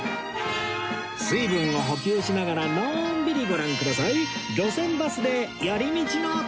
水分を補給しながらのんびりご覧ください